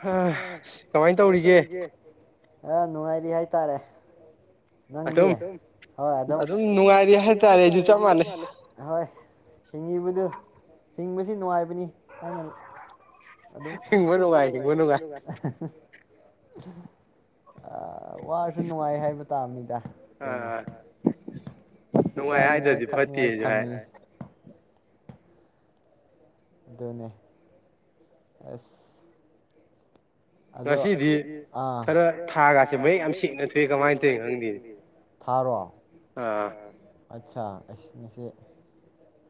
ꯍ ꯀꯃꯥꯏꯟ ꯇꯧꯔꯤꯒꯦ? ꯑ ꯅꯨꯡꯉꯥꯏꯔꯤ ꯍꯥꯏꯇꯥꯔꯦ꯫ ꯅꯪꯗꯤ ꯑꯗꯨꯝ ꯍꯣꯏ ꯑꯗꯨꯝ ꯑꯗꯨꯝ ꯅꯨꯡꯉꯥꯏꯔꯤ ꯍꯥꯏꯇꯥꯔꯦ ꯑꯩꯖꯨ ꯆꯞ ꯃꯥꯟꯅꯩ꯫ ꯍꯣꯢ꯫ ꯍꯤꯡꯉꯤꯕꯗꯨ ꯍꯤꯡꯕꯁꯤ ꯅꯨꯡꯉꯥꯏꯕꯅꯤ ꯍꯥꯏꯅ ꯑꯗꯨꯝ ꯍꯤꯡꯕ ꯅꯨꯡꯉꯥꯏ ꯍꯤꯡꯕ ꯅꯨꯡꯉꯥꯏ꯫ [inaudible] ꯑꯥ ꯋꯥꯔꯁꯨ ꯅꯨꯡꯉꯥꯏ ꯍꯥꯏꯕ ꯇꯥꯝꯅꯤꯗꯥ ꯀꯩꯅꯣ [inaudible] ꯆꯥꯅꯤꯉꯥꯏ ꯊꯛꯅꯤꯡꯉꯥꯏ ꯐꯪ ꯗꯣꯅꯦ ꯑꯁ꯫ ꯑꯗꯣ ꯉꯁꯤꯗꯤ ꯑ ꯈꯔ ꯊꯥꯒꯥꯁꯦ ꯃꯌꯦꯛ ꯌꯥꯝ ꯁꯦꯡꯅꯗ꯭ꯔꯦ ꯀꯃꯥꯏ ꯇꯩꯅꯣ ꯈꯪꯗꯦꯅꯦ꯫ ꯊꯥ ꯔꯣ? ꯑꯥ꯫ ꯑꯠꯆꯥ ꯑꯁꯤꯖꯦ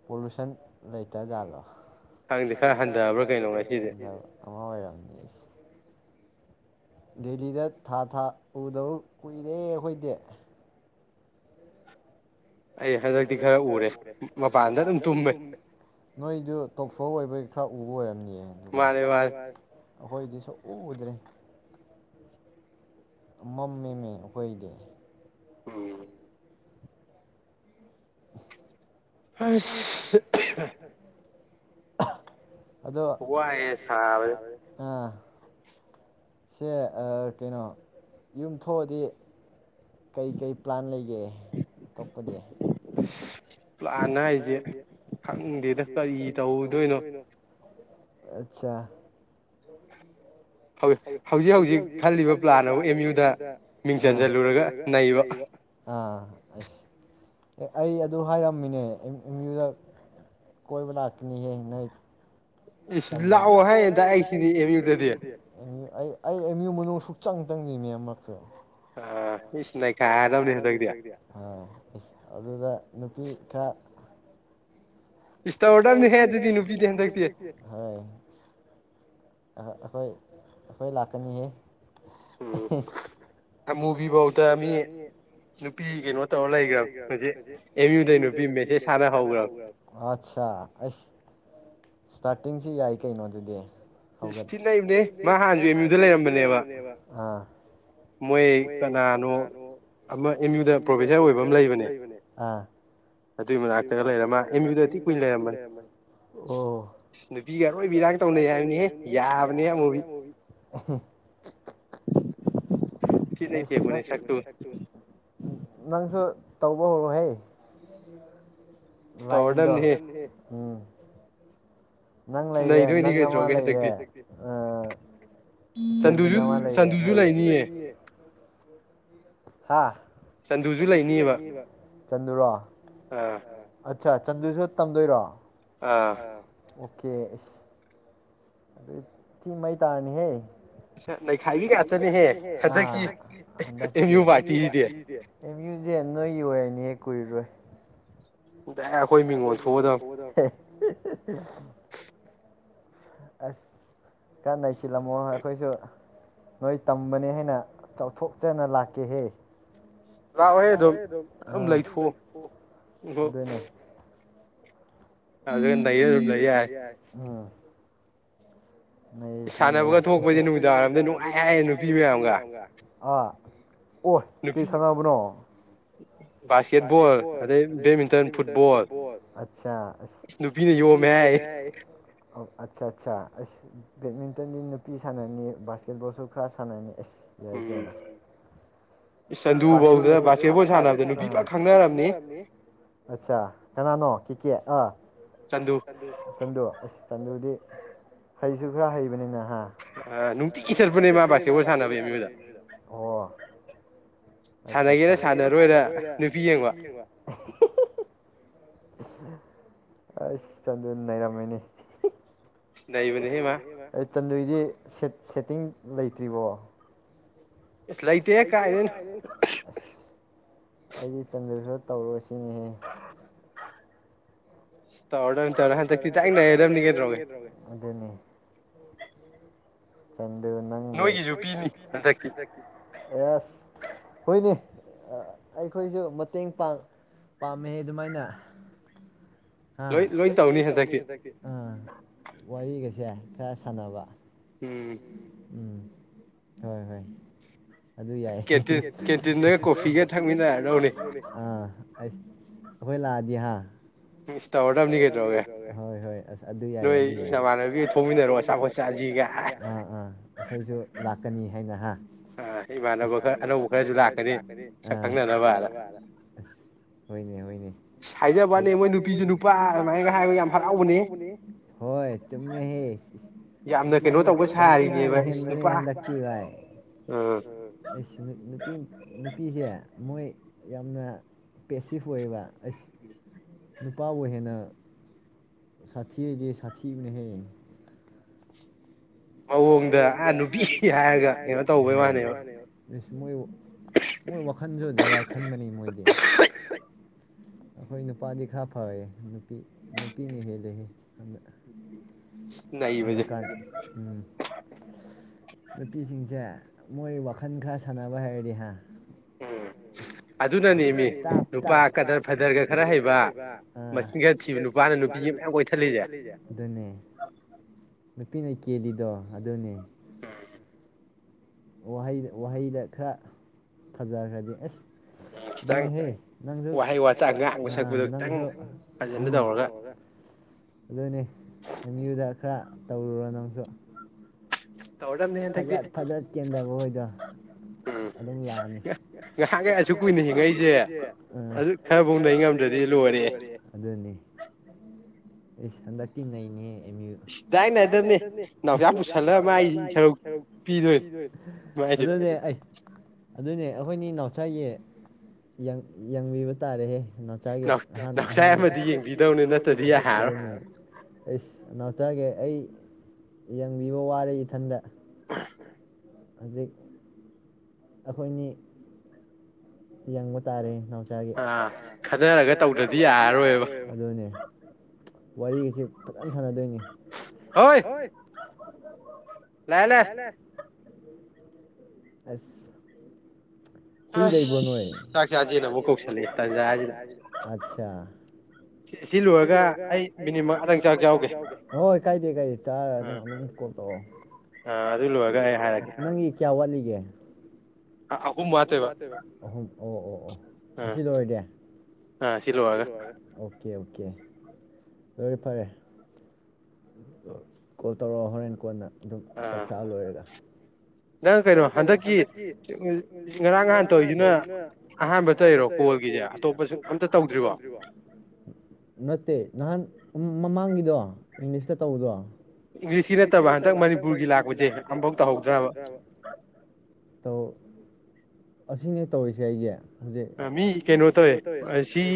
ꯄꯣꯂꯨꯁꯟ ꯂꯩꯇ ꯖꯥꯠꯂꯣ? ꯈꯪꯗꯦ ꯈꯔ ꯍꯟꯗꯕ꯭ꯔꯥ ꯀꯩꯅꯣ ꯉꯁꯤꯗꯤ [unintelligible] ꯗꯦꯂꯤꯗ ꯊꯥ ꯊꯥ ꯎꯗꯕ ꯀꯨꯏꯔꯦ ꯑꯩꯈꯣꯏꯗꯤ ꯑꯩ ꯍꯟꯗꯛꯇꯤꯔ ꯎꯔꯦ ꯅꯣꯏꯗꯨ ꯇꯣꯛꯐ꯭ꯂꯣ ꯑꯣꯏꯕꯒꯤ ꯈꯔ ꯎꯕ ꯑꯣꯏꯔꯝꯅꯤ ꯑꯗꯨꯒ ꯑꯩꯈꯣꯏꯗꯤ ꯁꯣꯛꯎꯗ꯭ꯔꯦ ꯃꯝꯃꯤꯅꯦ ꯑꯩꯈꯣꯏꯗꯤ ꯑꯁ [unintelligible] ꯑꯗꯣ ꯋꯥꯏꯌꯦ ꯁꯕꯥꯖꯤꯗ ꯁꯦ ꯀꯩꯅꯣ ꯌꯨꯝ ꯊꯣꯛꯑꯗꯤ ꯀꯩ ꯀꯩ ꯄ꯭ꯂꯥꯟ ꯂꯩꯒꯦ [unintelligible] ꯄꯂꯥꯟꯅ ꯍꯥꯏꯁꯦ ꯈꯪꯗꯦꯗ ꯀꯔꯤ ꯇꯧꯗꯣꯏꯅꯣ ꯑꯆꯥ ꯍꯧꯖꯤꯛ ꯍꯧꯖꯤꯛ ꯈꯜꯂꯤꯕ ꯄ꯭ꯂꯥꯟ ꯑꯥꯏꯕꯨ ꯑꯦꯝ ꯌꯨꯗ ꯃꯤꯡ ꯆꯟꯁꯤꯜꯂꯨꯔ__ ꯒ ꯅꯩꯕ ꯑꯥ ꯑꯩ ꯑꯗꯨ ꯍꯥꯏꯔꯝꯃꯤꯅꯦ ꯑꯦꯝ ꯌꯨꯗ ꯀꯣꯏꯕ ꯂꯥꯛꯀꯅꯤꯍꯦ ꯅꯣꯏ ꯑꯩ ꯑꯦꯝ ꯌꯨ __ ꯆꯪ ꯆꯪꯉ ꯃꯤꯃꯛꯁꯨ ꯑꯥ ꯅꯩꯈꯥꯏꯔꯗꯧꯅꯦ ꯍꯟꯗꯛꯇꯤ ꯑꯗꯨꯗ ꯅꯨꯄꯤ ꯈꯔ ꯇꯧꯔꯗꯝꯅꯤꯍꯦ ꯍꯟꯗꯛꯇꯤ ꯅꯨꯄꯤꯗꯤ ꯍꯣꯏ ꯑꯩꯈꯣꯏ ꯂꯥꯛꯀꯅꯤꯍꯦ [unintelligible] ꯐꯧꯗ ꯃꯤ ꯅꯨꯄꯤ ꯀꯩꯅꯣ ꯇꯧꯔ ꯂꯩꯈꯒꯔ꯭ꯃꯤ ꯑꯦꯝ ꯌꯨꯗꯩ ꯅꯨꯄꯤ ꯃꯦꯁꯦꯁ ꯊꯥꯅꯍꯧꯈ꯭ꯔꯕ ꯑ ꯑꯁ ꯏꯁꯇꯥꯔꯇꯤꯡꯁꯤ ꯌꯥꯏ ꯀꯩꯅꯣꯗꯨꯗꯤ ꯂꯩꯕꯅꯦ ꯃꯥ ꯍꯅꯁꯨ ꯑꯦꯝ ꯌꯨꯗ ꯂꯩꯔꯝꯕꯅꯦꯕ ꯃꯣꯏ ꯀꯅꯥꯅꯣ ꯑꯃ ꯑꯦꯝ ꯌꯨꯗ ꯄ꯭ꯔꯣꯐꯦꯁꯔ ꯑꯣꯏꯕ ꯑꯃ ꯂꯩꯕꯅꯦ ꯑꯗꯨꯒꯤ ꯃꯅꯥꯛꯇ ꯂꯩꯔ ꯃꯥ ꯑꯦꯝ ꯌꯨꯗꯥ ꯨ ꯑꯣ [unintelligible] ꯌꯥꯕꯅꯦ ꯑꯃꯨꯕꯤ [unintelligible] ꯅꯪꯁꯨ ꯇꯧ [unintelligible] ꯇꯧꯔꯗꯝꯅꯤꯍꯦ ꯎꯝ ꯅꯪ ꯂꯩꯔꯦ ꯅꯪ ꯑꯃ ꯂꯩꯔꯦ ꯑ ꯀꯦꯜꯕꯤꯟ ꯑꯃ ꯂꯩꯔꯦ ꯍꯥ ꯆꯟꯗꯨꯁꯨ ꯂꯩꯅꯤꯕ ꯆꯟꯗꯨꯔꯣ ꯆꯟꯗꯨꯁꯨ ꯇꯝꯗꯣꯏꯔꯣ ꯑ ꯀꯦ ꯑꯗꯨ ꯊꯤ ꯃꯩ ꯇꯥꯔꯅꯤꯍꯦ ꯅꯩꯈꯥꯏꯕꯤ ꯉꯥꯛꯇꯅꯦꯍꯦ ꯍꯟꯗꯛꯀꯤ ꯑꯦꯝ ꯌꯨ ꯄꯥꯔꯇꯤꯁꯤꯗꯤ ꯑꯦꯝ ꯌꯨ ꯖꯦ ꯅꯣꯏꯒꯤ ꯑꯣꯏꯔꯅꯤꯍꯦ ꯀꯨꯏꯔꯔꯣꯏ ꯑꯣꯏ ꯃꯤꯉꯣ ꯊꯗ ꯑꯁ ꯀꯥꯅꯩꯁꯤꯜꯂꯝꯃꯣ ꯑꯩꯈꯣꯏꯁꯨ ꯅꯣꯏ ꯇꯝꯕꯅꯦ ꯍꯥꯏꯅ ꯆꯥꯎꯊꯣꯛꯆꯅ ꯂꯥꯛꯀꯦꯍꯦ ꯑꯗꯨꯅꯦ ꯑꯗꯨ ꯅ ꯁꯤꯄ ꯅꯨꯃꯤꯗꯥꯡ ꯅꯨꯡꯉꯥꯏꯌꯦ ꯅꯨꯄꯤ ꯃꯌꯥꯝꯒ ꯑꯥ ꯑꯣ ꯀꯩ ꯁꯥꯟꯅꯕꯅꯣ ꯕꯥꯀꯦꯠꯕꯣꯜ ꯑꯗ ꯦꯃꯤꯇ ꯐꯨꯠꯕꯣꯜ ꯅꯨꯄꯤꯅ ꯌꯣ ꯃ ꯑꯠꯆꯥ ꯑꯠꯆꯥ ꯑꯁ ꯕꯦꯗꯃꯤꯟꯇꯟꯒꯤ ꯅꯨꯄꯤ ꯁꯥꯟꯅꯅꯤ ꯕꯥꯁꯀꯦꯠꯕꯣꯜꯁꯨ ꯈꯔ ꯁꯥꯟꯅꯅꯤ ꯑꯁ ꯎꯝ ꯁꯟꯗꯨ ꯐꯧꯗ ꯕꯥꯁꯀꯦꯠꯕꯣꯜ ꯁꯥꯟꯅꯕꯗ ꯅꯨꯄꯤ ꯈꯅꯅꯤ ꯑꯆꯥ ꯀꯅꯥꯅꯣ ꯀ ꯑ ꯆꯗꯨ ꯑꯁ ꯆꯗꯨꯗꯤ ꯍꯩꯁꯨ ꯈꯔ ꯍꯩꯕꯅꯤꯅ ꯅꯨꯡꯇꯤꯛꯒꯤ ꯆꯠꯄꯅꯦ ꯃꯥ ꯕꯥꯀꯦꯠꯣꯜ ꯁꯥꯟꯅꯕꯣꯏꯗ ꯑꯣ ꯁꯅꯒꯦꯔ ꯁꯥꯟꯅꯔꯣꯏꯔ ꯅꯨꯄꯤꯕ ꯑꯁ ꯆꯟꯗꯨ ꯂꯩꯔꯝꯃꯤꯅꯤ ꯅꯩꯕꯅꯤ ꯍꯃ ꯆꯟꯗꯣꯏꯗꯤ ꯁꯦꯠꯇꯤꯡ ꯂꯩꯇ꯭ꯔꯤꯕꯣ ꯂꯩꯇꯦ ꯀꯥꯏ ꯑ ꯑꯩꯗꯤ ꯆꯟꯗ꯭ꯔꯁꯠ ꯇꯧꯔꯣꯏ ꯁꯤꯅꯦꯍꯦ ꯆꯧ ꯆꯧꯔ ꯆꯗꯝꯅꯤ ꯅꯪ ꯂꯩ ꯑꯦꯁ ꯍꯣꯏꯅꯦ ꯑꯩꯈꯣꯏꯁꯨ ꯃꯇꯦꯡ ꯄꯥꯡ ꯄꯥꯡꯃꯦ ꯑꯗꯨꯃꯥꯏꯅ ꯑ ꯂꯣꯏ ꯂꯣꯏ ꯇꯧꯅꯤ ꯍꯟꯗꯛꯀꯤ ꯑ ꯋꯥꯔꯤꯒꯩ ꯈ ꯁꯥꯟꯅꯕ ꯎꯝ ꯍꯣꯏ ꯍꯣꯏ ꯑꯗꯨ ꯌꯥꯏ ꯀꯦꯆꯤꯟꯗ ꯀꯣꯐꯤꯒ ꯊꯛꯃꯤꯟꯅꯔꯗꯧꯅꯤ ꯑ ꯑꯩꯁ ꯍꯣꯏ ꯂꯥꯛꯑꯗꯗꯤꯍꯥ ꯇꯧꯔꯗꯕꯅꯤ ꯀꯩꯗꯧꯦ ꯍꯣꯏ ꯍꯣꯏ ꯑꯁ ꯑꯗꯨ ꯌꯥꯏꯌꯦ ꯑꯗꯨ ꯅꯃꯥꯟ ꯊꯣꯡꯃꯤꯟꯅꯔꯣꯑꯣ ꯑꯆꯥꯣꯠꯁꯤꯒ ꯑꯩꯈꯣꯏꯁꯨ ꯀꯅꯤ ꯍꯥꯏꯅ ꯍꯥ ꯏꯃꯥꯟꯅꯕ ꯈꯔ ꯑꯅꯧꯕ ꯈꯔꯁꯨ ꯂꯥꯛꯀꯅꯤ ꯈꯪꯅꯅꯕꯅ ꯍꯣꯏꯅꯦ ꯍꯣꯏꯅꯦ ꯍꯥꯏꯖꯕꯅꯦ ꯃꯣꯏ ꯄꯥ ꯌꯥꯝ ꯐꯔꯕꯅꯦ ꯍꯣꯏ ꯇꯃꯦꯍꯦ ꯅꯨ ꯅꯨꯅ ꯍꯦꯟꯕꯅꯦ ꯍꯟꯗꯛꯇꯤ ꯚꯥꯏ ꯅꯨ ꯅꯨꯄꯤꯁꯦ ꯃꯣꯏ ꯌꯥꯝꯅ ꯄꯦꯁꯤꯞ ꯑꯣꯏꯌꯦꯕ ꯑꯁ ꯏꯄꯥꯕꯨ ꯍꯦꯟꯅ ꯁꯥꯊꯤ ꯍꯥꯏꯗꯤ ꯁꯥꯊꯤꯕꯅ ꯍꯦꯛꯡ ꯃꯑꯣꯡꯗ ꯑ ꯅꯨꯄꯤ ꯍꯥꯏꯔꯒ ꯀꯩꯅꯣ ꯇꯧꯕꯩ ꯋꯥꯅꯦꯕ ꯁ ꯃꯣꯏ ꯃꯣꯏ ꯋꯥꯈꯜꯁꯨ ꯖꯥꯒꯥ ꯈꯟꯕꯅꯤ ꯃꯣꯏꯗꯤ ꯑꯩꯈꯣꯏ ꯅꯨꯄꯥꯗꯤ ꯈꯔ ꯐꯌꯦꯦ ꯅꯨꯄꯤ ꯅꯨꯄꯤꯅ ꯍꯦꯂꯦ ꯅ ꯃ ꯅꯨꯄꯤꯁꯤꯡꯁꯦ ꯃꯣꯏ ꯋꯥꯈꯜ ꯈꯔ ꯁꯥꯟꯅꯕ ꯍꯥꯏꯔꯗꯤ ꯍꯥ ꯎ ꯑꯗꯨꯅꯅꯦ ꯅꯨꯄꯥ ꯀꯗꯔ ꯐꯗꯔꯒ ꯈꯔ ꯍꯩꯕ ꯃꯁꯤꯡꯒ ꯊꯤꯕ ꯅꯨꯄꯥꯅ ꯅꯨꯄꯤꯒꯤ ꯃꯌꯥꯝ ꯀꯣꯏꯊꯜꯂꯤꯁꯦ ꯀꯦꯂꯤꯗꯣ ꯑꯗꯨꯅꯤ ꯍ ꯋꯥꯍꯩ ꯋꯥꯍꯩꯗ ꯈꯔ ꯐꯖꯈ꯭ꯔꯗꯤ ꯑꯁ ꯑꯗꯨꯏꯅꯦꯍꯦ ꯅꯪꯁꯨ ꯅ ꯑꯗꯨꯅꯦ ꯑꯦꯝ ꯌꯨꯗ ꯈꯔ ꯇꯧꯔꯨꯔꯣ ꯅꯪꯁꯨ [unintelligible] ꯖ ꯐꯖꯠ ꯀꯦꯟꯗꯕ ꯍꯣꯏꯗꯣ ꯑꯗꯨꯝ ꯂꯥꯛꯑꯅꯤ ꯉꯍꯁꯨ ꯀꯨꯏꯅ ꯍꯤꯡꯉꯛꯏꯁꯦ ꯎ ꯈꯔ ꯐꯥꯎꯗ ꯑꯩ ꯉꯝꯗ꯭ꯔꯗꯤ ꯂꯣꯏꯔꯦ ꯑꯗꯨꯅꯤ ꯑꯦꯁꯟꯗ ꯀꯤꯅ ꯏꯅꯦ ꯁꯤꯗꯏꯅꯗꯕꯅꯦ ꯅꯥꯎꯁꯥ ꯄꯨꯁꯜꯂ ꯃꯥ ꯑꯩ ꯑꯗꯨꯅꯦ ꯑꯩ [unintelligible] [inaudible] ꯑꯈꯣꯏꯅꯤ ꯅꯥꯎꯆꯥꯌꯦ ꯌꯪ ꯌꯪꯕꯤꯕ ꯇꯥꯔꯦꯍꯦ [unintelligible] [inaudible] ꯑꯩ ꯌꯦꯡꯕꯤꯕ ꯋꯥꯔꯦ [inaudible] ꯍꯧꯖꯤꯛ ꯑꯈꯣꯏꯅꯤ ꯌꯪꯕ ꯇꯥꯔꯦ [inaudible] [inaudible] ꯑꯥ ꯈꯥꯗꯔꯒ ꯇꯧꯗ꯭ꯔꯗꯤ ꯌꯥꯔꯔꯣꯏꯕ ꯑꯗꯨꯅꯦ ꯋꯥꯔꯤꯁꯤ ꯐꯖ ꯁꯥꯟꯅꯗꯧꯅꯤ ꯍꯥꯏ ꯂꯥꯑꯦ ꯂꯥꯑꯦ ꯑ꯭ꯁ [unintelligible] ꯑꯥ ꯑꯗꯨ ꯂꯣꯏꯔꯒ ꯑꯩ ꯍꯥꯏꯔꯛꯀꯦ [inaudible] ꯒꯦ [unintelligible] ꯑꯥ ꯑꯍꯨꯝ ꯋꯥꯠꯇꯣꯏꯕ ꯑꯍꯨꯝ ꯑꯣ ꯑꯣ ꯑꯣ ꯑꯁꯤ ꯂꯣꯏꯔꯗꯤ ꯑꯥ ꯁꯤ ꯂꯣꯏꯔꯒ ꯑꯥ ꯀꯦ ꯀꯦ ꯐꯔꯦ ꯐꯔꯦ ꯀꯣꯜ ꯇꯧꯔꯛꯑꯣ ꯍꯣꯔꯦꯟ ꯀꯣꯟꯅ ꯑꯗꯨꯝ ꯆꯛꯆꯥꯥ ꯂꯣꯏꯔꯒ ꯅꯪ ꯀꯩꯅꯣ ꯍꯟꯗꯛꯀꯤ ꯉꯔꯥꯡ ꯉꯍꯥꯟ ꯇꯧꯔꯤꯁꯤꯅ ꯑꯍꯥꯟꯕ ꯇ ꯂꯩꯔꯣ ꯐꯣꯜꯒꯤꯁꯦ ꯑꯇꯣꯞꯄꯁꯨ ꯑꯃꯇ ꯇꯧꯗ꯭ꯔꯤꯕꯣ ꯅꯠꯇꯦ ꯅꯍꯥꯟ ꯑꯨꯝ ꯃꯃꯥꯡꯒꯤꯗꯣ ꯏꯪꯂꯤꯁꯇ ꯇꯧꯕꯔꯣ ꯏꯪꯂꯤꯁꯀꯤ ꯅꯠꯇꯕ ꯍꯟꯗꯛ ꯃꯅꯤꯄꯨꯔꯒꯤ ꯂꯥꯛꯄꯁꯦ ꯑꯃꯐꯥꯎ ꯇꯧꯍꯧꯗ꯭ꯔꯥ ꯍꯥꯏꯕ [inaudible] ꯑꯁꯤꯅꯦ ꯇꯧꯔꯤꯁꯦ ꯑꯩꯒꯤ ꯍꯧꯖꯤꯛ ꯃꯤ ꯀꯩꯅꯣ ꯇꯧꯋꯦ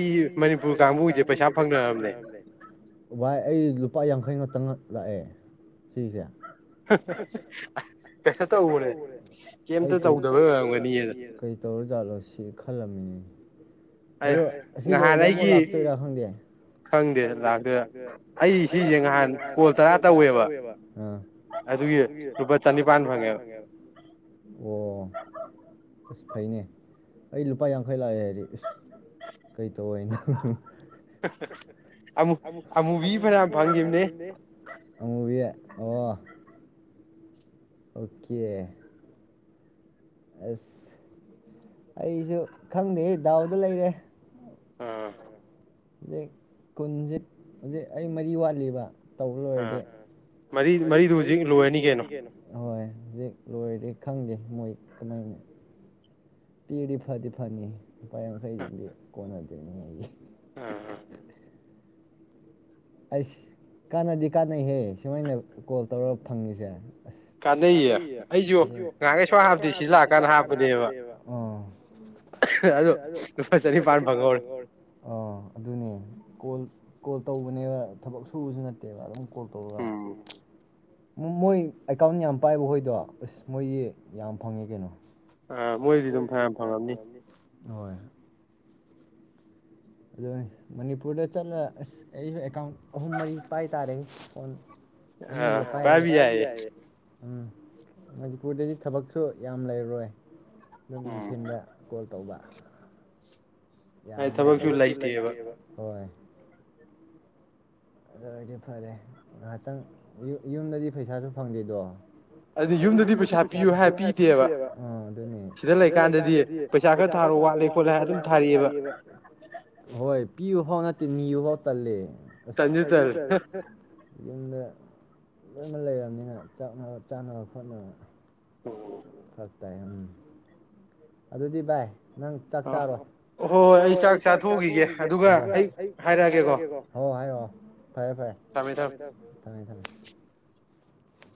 ꯁꯤ ꯃꯅꯤꯄꯨꯔ ꯀꯥꯡꯕꯨꯁꯦ ꯄꯩꯁꯥ ꯐꯪꯅꯔꯝꯅꯦ ꯚꯥꯏ ꯑꯩ ꯂꯨꯄꯥ ꯌꯥꯡꯈꯩ ꯃꯥ ꯇꯪ ꯂꯥꯛꯑꯦ ꯁꯤꯁꯦ [unintelligible] [unintelligible] ꯁꯤ ꯈꯜꯂꯝꯃꯤꯅꯦ ꯑꯗꯣ ꯑꯁꯤ ꯂꯣꯏꯔꯀꯥꯟꯗ ꯂꯥꯛꯇꯣꯏꯔ ꯈꯪꯗꯦ [inaudible] ꯑꯩ ꯁꯤꯁꯦ ꯉꯍꯥꯟ ꯀꯣꯜ ꯇꯔꯥ ꯇꯧꯋꯦꯕ ꯑꯗꯨꯒꯤ ꯂꯨꯄꯥ ꯆꯅꯤꯄꯥꯥꯟ ꯐꯪꯉꯦꯕ ꯑꯣ ꯑꯁ ꯐꯩꯅꯦ ꯑꯩ ꯂꯨꯄꯥ ꯌꯥꯡꯈꯩ ꯂꯥꯛꯑꯦ ꯍꯥꯏꯗꯤ ꯏꯁ ꯀꯩ ꯇꯧꯋꯦ ꯍꯥꯏꯅꯣ [unintelligible] ꯑꯥ ꯑꯣꯀꯦ ꯑꯁ ꯑꯩꯁꯨ ꯈꯪꯗꯦ ꯗꯥꯎꯗ ꯂꯩꯔꯦ ꯑꯝ ꯍꯧꯖꯤꯛ ꯀꯨꯟꯁꯦ ꯍꯧꯖꯤꯛ ꯑꯩ ꯃꯔꯤ ꯋꯥꯠꯂꯤꯕ ꯇꯧꯕ ꯂꯣꯏꯔꯗꯤ ꯑ ꯃꯔꯤ ꯃꯔꯤꯗꯨ ꯍꯧꯖꯤꯛ ꯂꯣꯏꯔꯅꯤ ꯀꯩꯅꯣ ꯑꯣꯏ ꯍꯧꯖꯤꯛ ꯂꯣꯏꯔꯗꯤ ꯈꯪꯗꯦ ꯃꯣꯏ ꯀꯃꯥꯏꯅ ꯄꯤꯔꯗꯤ ꯐꯥꯗꯤ ꯐꯥꯅꯤ ꯂꯨꯄꯥ ꯌꯥꯡꯈꯩꯗꯨꯗꯤ ꯀꯣꯟꯅꯗꯦ ꯍꯥꯏ ꯑꯝ ꯑꯝ ꯑꯩꯁ ꯀꯥꯟꯅꯗꯤ ꯀꯥꯟꯅꯩꯍꯦ ꯁꯨꯃꯥꯏꯅ ꯀꯣꯜ ꯇꯧꯔꯒ ꯐꯪꯉꯤꯁꯦ ꯑꯁ ꯀꯥꯅꯩꯌꯦ ꯑꯩꯁꯨ ꯉꯥꯍꯥꯟꯈꯩ ꯁꯨꯡꯍꯥꯞ ꯍꯥꯞꯇꯦ ꯁꯤ ꯂꯥꯛꯑꯀꯥꯟꯗ ꯍꯥꯞꯄꯅꯦꯕ ꯑꯗꯨ ꯂꯨꯄꯥ ꯆꯅꯤꯄꯥꯥꯟ ꯐꯪꯕ ꯍꯧꯔꯦ ꯑꯗꯨꯅꯦ ꯀꯣꯜ ꯀ ꯀꯣꯜ ꯇꯧ ꯄꯨꯅꯦꯕ ꯊꯕꯛ ꯁꯨꯕꯁꯨ ꯅꯠꯇꯦꯕ ꯑꯗꯨꯝ ꯀꯣꯜ ꯇꯧꯂ꯭ꯔꯦ ꯃꯣꯏ ꯑꯦꯀꯥꯎꯟ ꯌꯥꯝ ꯄꯥꯏꯕ ꯍꯣꯏꯗꯣ ꯑꯁ ꯃꯣꯏꯗꯤ ꯌꯥꯝ ꯐꯪꯉꯦ ꯀꯩꯅꯣ ꯑꯥ ꯃꯣꯏꯗꯤ ꯑꯗꯨꯝ ꯐꯌꯥꯝ ꯐꯪꯉꯝꯅꯤ ꯍꯣꯏ ꯑꯗꯨ ꯃꯅꯤꯄꯨꯔꯗ ꯆꯠꯂꯒ ꯑꯁ ꯑꯩꯁꯨ ꯑꯦꯀꯥꯎꯟ ꯑꯍꯨꯝ ꯃꯔꯤ ꯄꯥꯏ ꯇꯥꯔꯦ ꯐꯣꯟ ꯑ ꯄꯥꯏꯕ ꯌꯥꯌꯦ ꯎꯝ ꯃꯅꯤꯄꯨꯔꯗꯗꯤ ꯊꯕꯛꯁꯨ ꯌꯥꯝ ꯂꯩꯔꯔꯣꯏ ꯑꯗꯨꯝ ꯅꯨꯡꯊꯤꯟꯜꯗ ꯀꯣꯜ ꯇꯧꯕ ꯌꯥꯅꯤ ꯑꯁꯨꯂꯥꯏꯇ ꯍꯣꯏ ꯑꯗꯨ ꯑꯣꯏꯔꯗꯤ ꯐꯔꯦ ꯉꯍꯥꯛꯇꯪ ꯌꯨꯝꯗꯗꯤ ꯄꯩꯁꯥꯁꯨ ꯐꯪꯗꯦꯗꯣ ꯑꯗꯨ ꯌꯨꯝꯗꯗꯤ ꯄꯩꯁꯥ ꯄꯤꯌꯨ ꯍꯥꯏꯔ ꯄꯤꯗꯦꯕ ꯁꯤꯗ ꯂꯩꯀꯥꯟꯗꯗꯤ ꯄꯩꯁꯥ ꯈꯔ ꯊꯥꯔꯣ ꯋꯥꯠꯂꯦ ꯈꯣꯠꯂꯦ ꯑꯗꯨꯝ ꯊꯥꯔꯤꯑꯕ ꯄꯤꯌꯨꯐꯥꯎ ꯅꯠꯇꯦ ꯅꯤꯌꯨꯐꯥꯎ ꯇꯜꯜꯂꯤꯦ ꯆꯖ ꯇꯔ ꯌꯦꯅ ꯂꯣꯏꯅ ꯂꯩꯔꯕꯅꯤꯅꯅꯕ ꯆꯥꯅꯕ ꯈꯣꯠꯅꯕ ꯎꯝ ꯇꯥꯏ ꯎꯝ ꯑꯗꯨꯗꯤ ꯚꯥꯏ ꯅꯪ ꯆꯥꯛ ꯆꯥꯔꯣ ꯍꯣꯏ ꯍꯣꯏ ꯑꯩ ꯆꯥꯛ ꯆꯥꯊꯣꯛꯈꯤꯒꯦ ꯑꯗꯨꯒ ꯑꯩ ꯍꯥꯏꯔꯛꯑꯒꯦꯀꯣ ꯍꯥꯏꯑꯣ ꯐꯔꯦ ꯐꯔꯦ ꯊꯝꯃꯦ ꯊꯝꯃꯦ ꯊꯝꯃꯦ ꯊꯝꯃꯦ